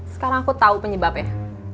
sekarang aku tau penyebabnya